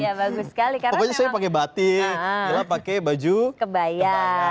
iya bagus sekali pokoknya saya pakai batik adalah pakai baju kebaya